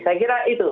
saya kira itu